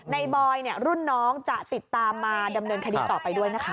บอยรุ่นน้องจะติดตามมาดำเนินคดีต่อไปด้วยนะคะ